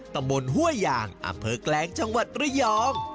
ตำบลห้วยยางอำเภอแกลงจังหวัดระยอง